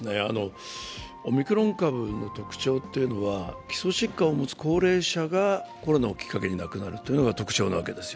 オミクロン株の特徴というのは、基礎疾患を持つ高齢者がコロナをきっかけに亡くなるというのが特徴なわけです。